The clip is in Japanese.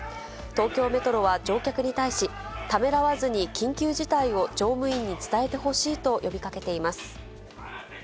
東京メトロは、乗客に対し、ためらわずに緊急事態を乗務員に伝えてほしいと呼びかけています。